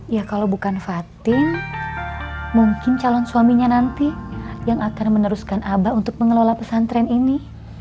ya kalau bukan fatim mungkin calon suaminya nanti yang akan meneruskan abah untuk mengelola pesantren ini